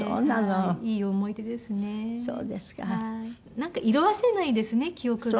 なんか色あせないですね記憶が。